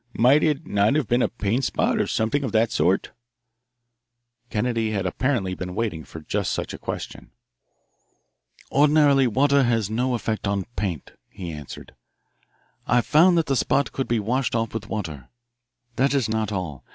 Might it not have been a paint spot or something of that sort?" Kennedy had apparently been waiting for just such a question. "Ordinarily, water has no effect on paint," he answered. "I found that the spot could be washed off with water. That is not all.